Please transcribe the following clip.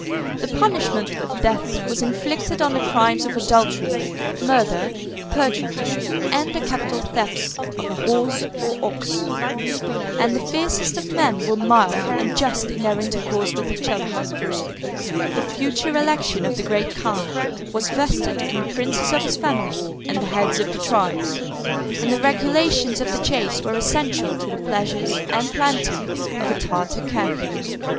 The punishment of death was inflicted on the crimes of adultery, murder, perjury, and the capital thefts of a horse or ox; and the fiercest of men were mild and just in their intercourse with each other. The future election of the great khan was vested in the princes of his family and the heads of the tribes; and the regulations of the chase were essential to the pleasures and plenty of a Tartar camp.